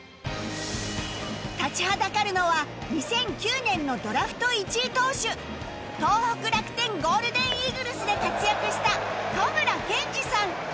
立ちはだかるのは２００９年のドラフト１位投手東北楽天ゴールデンイーグルスで活躍した戸村健次さん